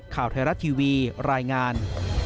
ข่าวไทยรัฐทีวีรายงาน